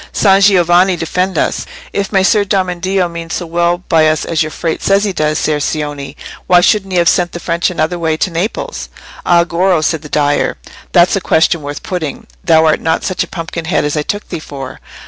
"San Giovanni defend us! If Messer Domeneddio means so well by us as your Frate says he does, Ser Cioni, why shouldn't he have sent the French another way to Naples?" "Ay, Goro," said the dyer; "that's a question worth putting. Thou art not such a pumpkin head as I took thee for.